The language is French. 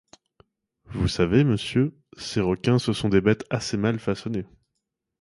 Vous savez, monsieur, ces requins, ce sont des bêtes assez mal façonnées.